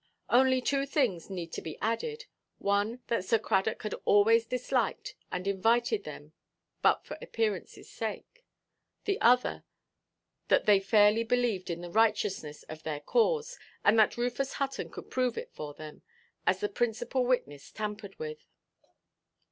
Only two things need be added: one that Sir Cradock had always disliked, and invited them but for appearance' sake; the other, that they fairly believed in the righteousness of their cause, and that Rufus Hutton could prove it for them, as the principal witness tampered with.